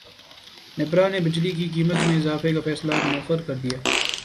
نیپرا نے بجلی کی قیمت میں اضافے کا فیصلہ موخر کردیا